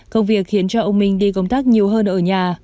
công việc khiến cho ông minh đi công tác nhiều hơn ở nhà